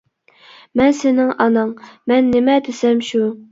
مەن سېنىڭ ئاناڭ، مەن نېمە دېسەم شۇ.